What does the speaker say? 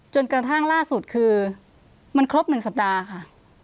จนกระทั่งล่าสุดคือมันครบ๑สัปดาห์ค่ะ